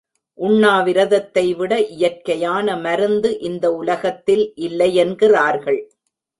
உண்ணா விரதத்தை விட இயற்கையான மருந்து இந்த உலகில் இல்லையென்கிறார்கள்.